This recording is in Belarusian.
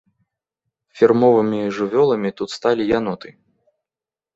Фірмовымі жывёламі тут сталі яноты.